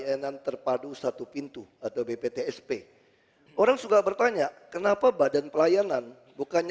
pelayanan terpadu satu pintu atau bptsp orang suka bertanya kenapa badan pelayanan bukannya